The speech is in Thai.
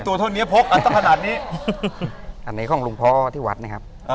ตัวเท่านี้พกอันต้องขนาดนี้อันนี้ของหลวงพ่อที่วัดนะครับ